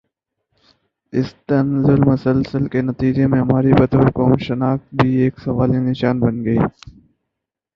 اس تنزل مسلسل کے نتیجے میں ہماری بطور قوم شناخت بھی ایک سوالیہ نشان بن گئی